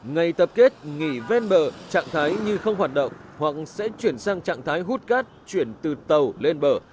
ngày tập kết nghỉ ven bờ trạng thái như không hoạt động hoặc sẽ chuyển sang trạng thái hút cát chuyển từ tàu lên bờ